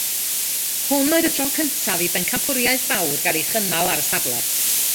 Hwn oedd y tro cyntaf i bencampwriaeth fawr gael ei chynnal ar y safle.